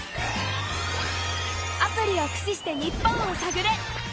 アプリをくししてニッポンをさぐれ！